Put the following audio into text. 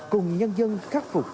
cùng nhân dân khắc phục